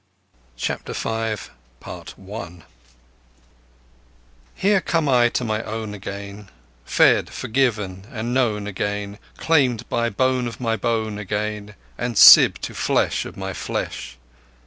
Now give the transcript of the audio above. CHAPTER V Here come I to my own again Fed, forgiven, and known again Claimed by bone of my bone again, And sib to flesh of my flesh!